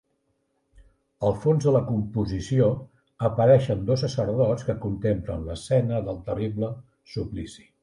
Al fons de la composició apareixen dos sacerdots que contemplen l’escena del terrible suplici.